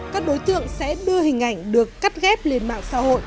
các đối tượng sẽ đưa hình ảnh được cắt ghép lên mạng xã hội